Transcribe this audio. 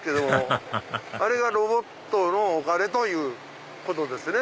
ハハハハロボットのお金ということですね。